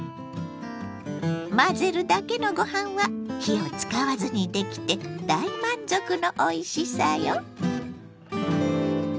混ぜるだけのご飯は火を使わずにできて大満足のおいしさよ。